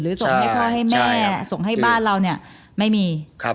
ส่งให้พ่อให้แม่ส่งให้บ้านเราเนี่ยไม่มี